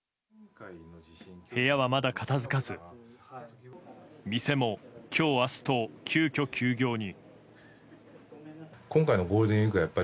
部屋はまだ片付かず店も今日、明日と急きょ休業に。